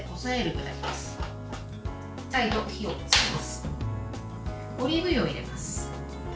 オリーブ油を入れます。